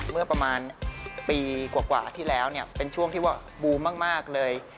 เมื่อประมาณปีกว่าที่แล้วเนี่ยเป็นช่วงที่ว่าบูมมากเลย